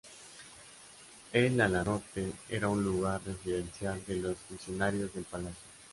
El ala norte era un lugar residencial de los funcionarios del palacio.